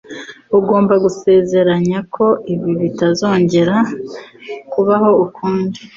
Ugomba gusezeranya ko ibi bitazongera kubaho ukundi.